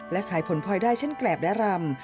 และขายผลพลอยได้เช่นแกรบและรำ